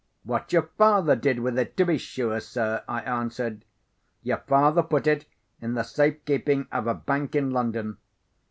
"What your father did with it, to be sure, sir!" I answered. "Your father put it in the safe keeping of a bank in London.